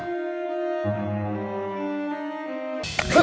aku mau berhenti